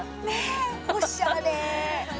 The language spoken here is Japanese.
おしゃれ！